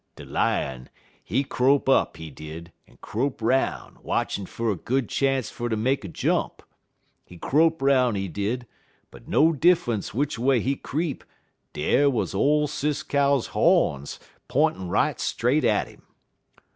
De Lion, he crope up, he did, en crope 'roun', watchin' fer good chance fer ter make a jump. He crope 'roun', he did, but no diffunce which a way he creep, dar wuz ole Sis Cow hawns p'intin' right straight at 'im.